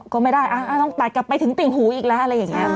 ก็ไม่ได้ต้องตัดกลับไปถึงติ่งหูอีกแล้วอะไรอย่างนี้